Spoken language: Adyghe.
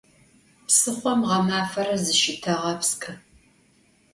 Psıxhom ğemafere zışıteğepsç'ı.